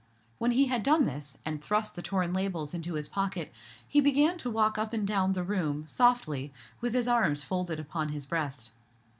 When he had done this, and thrust the torn labels into his pocket, he began to walk up and down the room, softly, with his arms folded upon his breast.